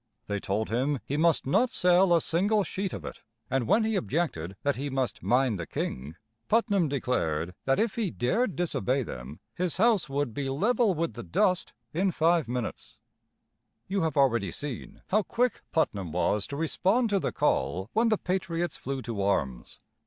They told him he must not sell a single sheet of it; and when he objected that he must mind the king, Putnam declared that if he dared disobey them his house would "be level with the dust in five minutes." [Illustration: Putnam's Ride.] You have already seen how quick Putnam was to respond to the call when the patriots flew to arms.